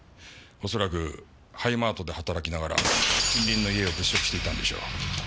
恐らくハイマートで働きながら近隣の家を物色していたんでしょう。